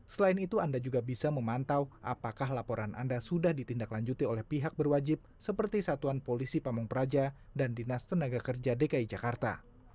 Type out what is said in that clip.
selain itu anda juga bisa memantau apakah laporan anda sudah ditindaklanjuti oleh pihak berwajib seperti satuan polisi pamung praja dan dinas tenaga kerja dki jakarta